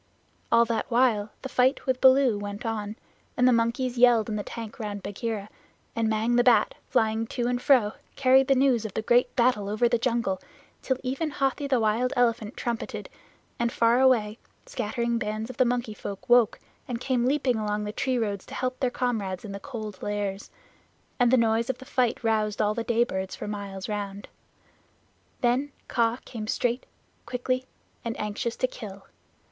All that while the fight with Baloo went on, and the monkeys yelled in the tank round Bagheera, and Mang the Bat, flying to and fro, carried the news of the great battle over the jungle, till even Hathi the Wild Elephant trumpeted, and, far away, scattered bands of the Monkey Folk woke and came leaping along the tree roads to help their comrades in the Cold Lairs, and the noise of the fight roused all the day birds for miles round. Then Kaa came straight, quickly, and anxious to kill.